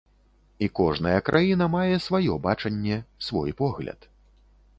І кожная краіна мае сваё бачанне, свой погляд.